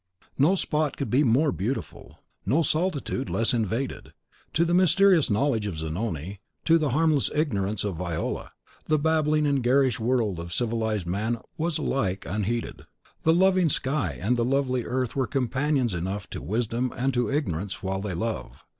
No spot could be more beautiful, no solitude less invaded. To the mysterious knowledge of Zanoni, to the harmless ignorance of Viola, the babbling and garish world of civilised man was alike unheeded. The loving sky and the lovely earth are companions enough to Wisdom and to Ignorance while they love.